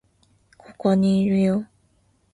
ここにいるよ